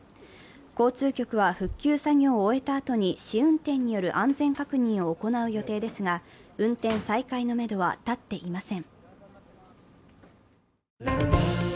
交通局は復旧作業を終えたあとに試運転による安全確認を行う予定ですが、運転再開のめどは立っていません。